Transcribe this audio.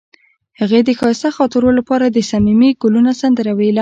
هغې د ښایسته خاطرو لپاره د صمیمي ګلونه سندره ویله.